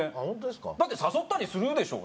だって誘ったりするでしょ？